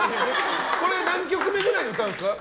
これ何曲目ぐらいに歌うんですか？